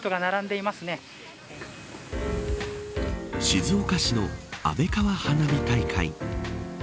静岡市の安倍川花火大会。